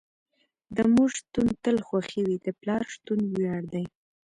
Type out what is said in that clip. د مور شتون تل خوښې وي، د پلار شتون وياړ دي.